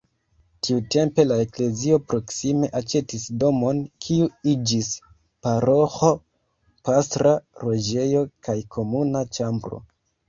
Tiutempe la eklezio proksime aĉetis domon, kiu iĝis paroĥo, pastra loĝejo kaj komuna ĉambro.